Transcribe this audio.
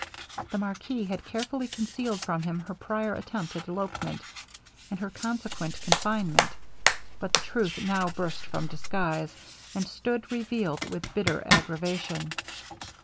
The marquis had carefully concealed from him her prior attempt at elopement, and her consequent confinement; but the truth now burst from disguise, and stood revealed with bitter aggravation.